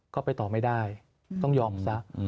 ก็ไปต่อไม่ได้ต้องยอมซะ